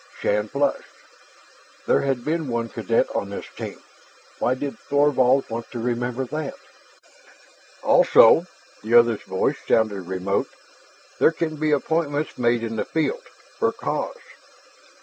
Shann flushed. There had been one cadet on this team; why did Thorvald want to remember that? "Also," the other's voice sounded remote, "there can be appointments made in the field for cause.